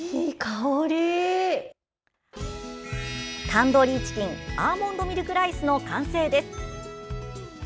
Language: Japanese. タンドリーチキンアーモンドミルクライスの完成です。